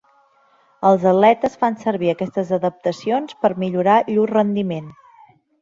Els atletes fan servir aquestes adaptacions per millorar llur rendiment.